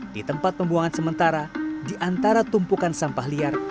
di tempat pembuangan sementara di antara tumpukan sampah liar